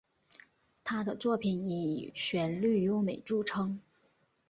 他的作品以旋律优美着称。